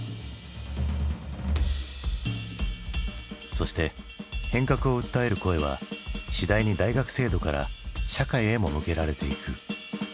そして変革を訴える声は次第に大学制度から社会へも向けられていく。